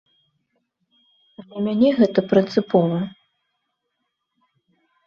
Для мяне гэта прынцыпова.